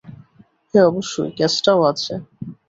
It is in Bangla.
হ্যাঁ, অবশ্যই, কেসটাও আছে।